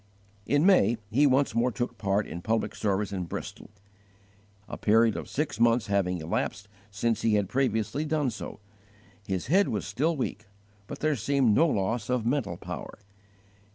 In May he once more took part in public services in Bristol, a period of six months having elapsed since he had previously done so. His head was still weak, but there seemed no loss of mental power.